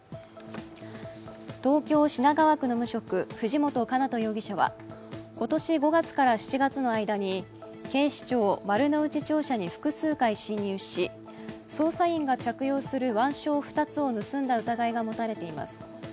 東京・品川区の無職藤本叶人容疑者は今年５月から７月の間に警視庁丸の内庁舎に複数回侵入し捜査員が着用する腕章２つを盗んだ疑いが持たれています。